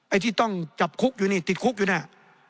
ไอ้ที่ต้องจับคุกอยู่นี่ติดคุกอยู่น่ะ